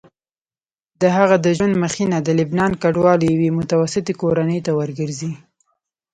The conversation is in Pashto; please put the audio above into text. د هغه د ژوند مخینه د لبنان کډوالو یوې متوسطې کورنۍ ته ورګرځي.